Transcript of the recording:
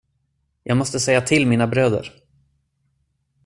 Jag måste säga till mina bröder.